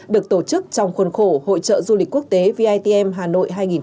được tổ chức trong khuôn khổ hội trợ du lịch quốc tế vitm hà nội hai nghìn hai mươi